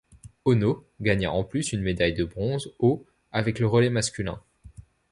Ohno gagna en plus une médaille de bronze au avec le relais masculin.